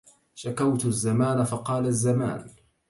شكوت الزمان فقال الزمان